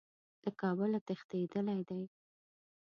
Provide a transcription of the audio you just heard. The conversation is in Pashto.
له کابله تښتېدلی دی.